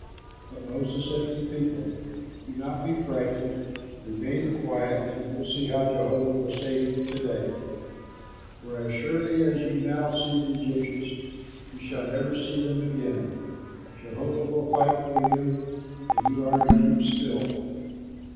'" But Moses said to the people, "Do not be frightened, remain quiet and you will see how Jehovah will save you to day; for as surely as you now see the Egyptians you shall never see them again. Jehovah will fight for you, and you are to keep still."